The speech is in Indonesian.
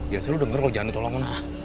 biasa lo denger loh jangan ditolongin